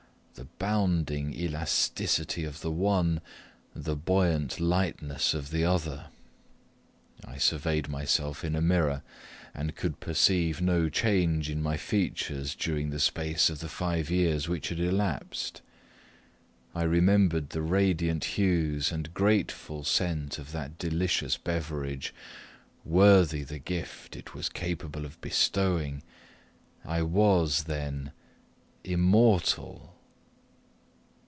The bounding elasticity of the one the buoyant lightness of the other. I surveyed myself in a mirror, and could perceive no change in my features during the space of the five years which had elapsed. I remembered the radiant hues and grateful scent of that delicious beverage worthy the gift it was capable of bestowing I was, then, IMMORTAL!